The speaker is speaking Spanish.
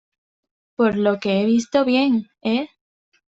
por lo que he visto bien, ¿ eh?